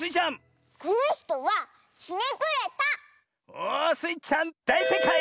おスイちゃんだいせいかい！